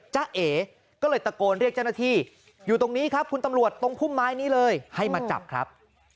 จ้าเอ๋ก็เลยตะโกนเรียกเจ้าหน้าที่อยู่ตรงนี้ครับคุณตำรวจตรงพุ่มไม้นี้เลยให้มาจับครับ